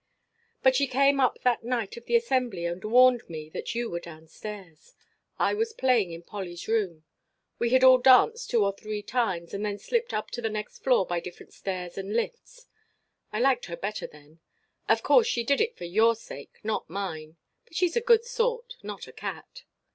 "But she came up that night of the Assembly and warned me that you were down stairs. I was playing in Polly's room. We had all danced two or three times and then slipped up to the next floor by different stairs and lifts. I liked her better then. Of course she did it for your sake, not mine. But she's a good sort, not a cat.